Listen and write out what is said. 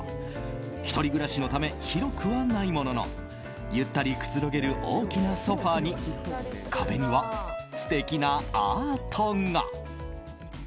１人暮らしのため広くはないもののゆったりくつろげる大きなソファに壁には素敵なアートが。